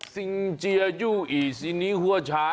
สิงเจยุอีซินิฮัวชาย